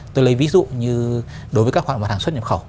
tôi lấy ví dụ như đối với các hoạt động hàng xuất nhập khẩu